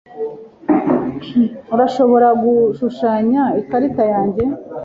Urashobora gushushanya ikarita yanjye